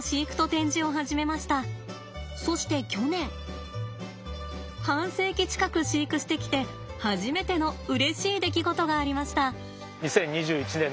そして去年半世紀近く飼育してきて初めてのうれしい出来事がありました。